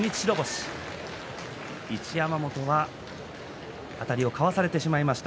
一山本、いいあたりをかわされてしまいました。